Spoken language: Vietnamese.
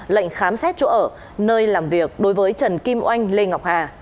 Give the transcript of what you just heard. lệnh khám xét chỗ ở nơi làm việc đối với trần kim oanh lê ngọc hà